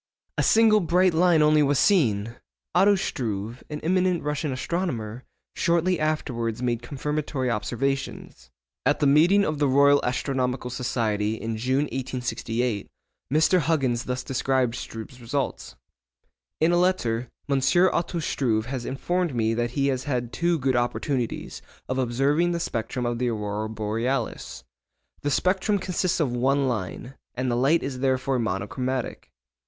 A single bright line only was seen! Otto Struve, an eminent Russian astronomer, shortly afterwards made confirmatory observations. At the meeting of the Royal Astronomical Society in June, 1868, Mr. Huggins thus described Struve's results:—'In a letter, M. Otto Struve has informed me that he has had two good opportunities of observing the spectrum of the aurora borealis. The spectrum consists of one line, and the light is therefore monochromatic.